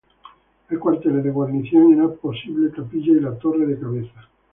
Hay cuarteles de guarnición, y una posible capilla y la torre de cabeza.